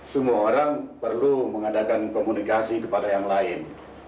semua orang perlu mengadakan komunikasi kepada yang lain